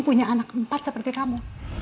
punya anak empat seperti kamu